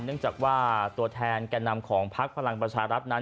เนื่องจากว่าตัวแทนแก่นำของพักพลังประชารัฐนั้น